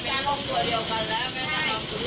เขาก็โกรธเลยเหมือนกันเลย